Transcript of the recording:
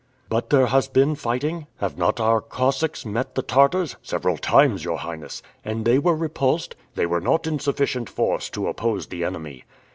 "But there has been fighting? Have not our Cossacks met the Tartars?" "Several times, your Highness." "And they were repulsed?" "They were not in sufficient force to oppose the enemy."